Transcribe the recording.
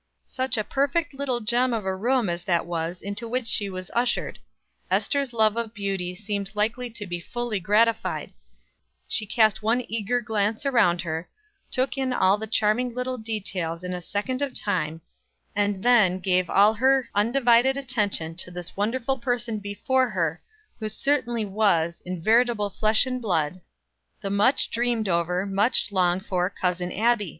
Such a perfect gem of a room as that was into which she was ushered. Ester's love of beauty seemed likely to be fully gratified; she cast one eager glance around her, took in all the charming little details in a second of time, and then gave her undivided attention to this wonderful person before her who certainly was, in veritable flesh and blood, the much dreamed over, much longed for Cousin Abbie.